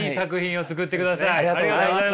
ありがとうございます。